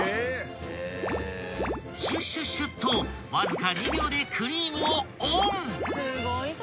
［シュシュシュっとわずか２秒でクリームをオン！］